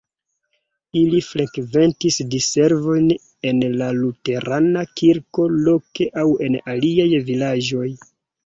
Ili frekventis diservojn en la luterana kirko loke aŭ en aliaj vilaĝoj.